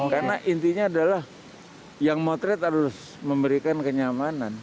karena intinya adalah yang motret harus memberikan kenyamanan